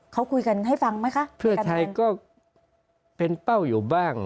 เขาคุยกันให้ฟังไหมคะเพื่อไทยก็เป็นเป้าอยู่บ้าง